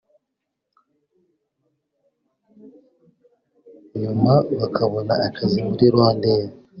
nyuma bakabona akazi muri RwandAir